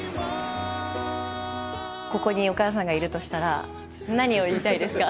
ここにお母さんがいるとしたら、何を言いたいですか。